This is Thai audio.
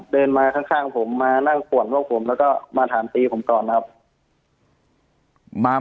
เดินมาข้างผมมาสวนกับผมแล้วก็มาถามกันก่อนครับ